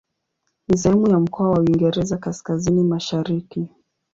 Ni sehemu ya mkoa wa Uingereza Kaskazini-Mashariki.